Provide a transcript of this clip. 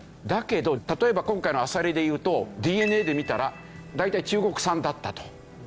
だけど例えば今回のアサリでいうとＤＮＡで見たら大体中国産だったと。